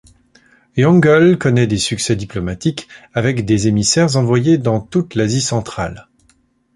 Yongle connaît des succès diplomatiques avec des émissaires envoyés dans toute l'Asie centrale.